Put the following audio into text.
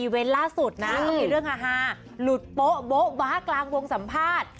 เวนต์ล่าสุดนะก็มีเรื่องฮาหลุดโป๊ะบ๊ะกลางวงสัมภาษณ์